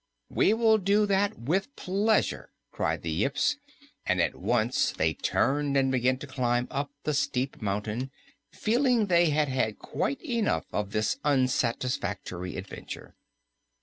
"We will do that with pleasure," cried the Yips, and at once they turned and began to climb up the steep mountain, feeling they had had quite enough of this unsatisfactory adventure.